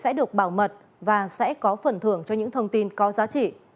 quý vị sẽ được bảo mật và sẽ có phần thưởng cho những thông tin có giá trị